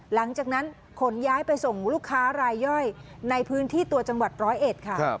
หลังจากนั้นขนย้ายไปส่งลูกค้ารายย่อยในพื้นที่ตัวจังหวัดร้อยเอ็ดค่ะ